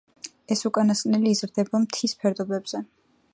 ეს უკანასკნელი იზრდება მთის ფერდობებზე.